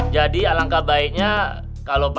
jadi alangkah baiknya